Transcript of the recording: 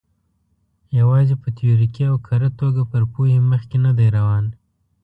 یوازې په تیوریکي او کره توګه پر پوهې مخکې نه دی روان.